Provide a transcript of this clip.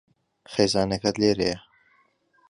خێزانەکەت لێرەیە.